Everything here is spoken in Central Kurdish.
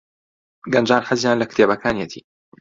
گەنجان حەزیان لە کتێبەکانیەتی.